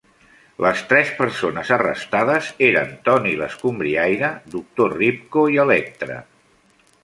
Les tres persones arrestades eren "Tony l'escombriaire", "Doctor Ripco" i "Electra".